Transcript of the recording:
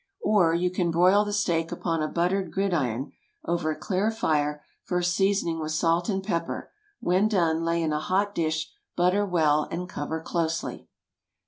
Or, you can broil the steak upon a buttered gridiron, over a clear fire, first seasoning with salt and pepper. When done, lay in a hot dish, butter well, and cover closely.